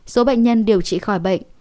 số bệnh nhân điều trị khỏi bệnh